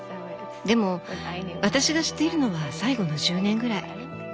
でも私が知っているのは最後の１０年ぐらい。